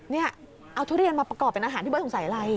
นี่เอาทุเรียนมาประกอบเป็นอาหารพี่เบิร์สงสัยอะไร